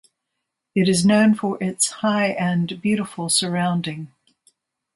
It is known for its high and beautiful surrounding.